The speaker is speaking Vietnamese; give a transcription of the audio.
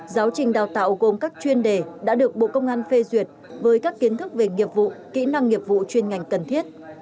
giáo trình đào tạo gồm các chuyên đề đã được bộ công an phê duyệt với các kiến thức về nghiệp vụ kỹ năng nghiệp vụ chuyên ngành cần thiết